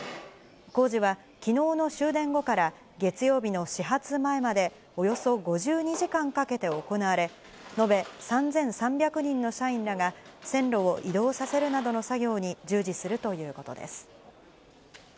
工事はきのうの終電後から、月曜日の始発前まで、およそ５２時間かけて行われ、延べ３３００人の社員らが、線路を移動させるなどの作業に従事するということです。